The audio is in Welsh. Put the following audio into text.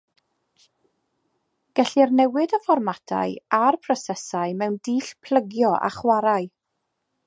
Gellir newid y fformatau a'r prosesau mewn dull plygio a chwarae.